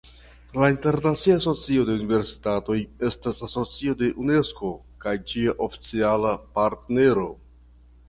La Internacia Asocio de Universitatoj estas asocio de Unesko kaj ĝia oficiala partnero.